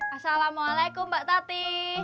assalamualaikum mbak tati